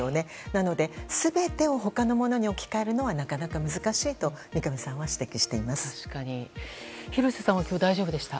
なので、全てを他のものに置き換えるのはなかなか難しいと三上さんは廣瀬さんは大丈夫でした？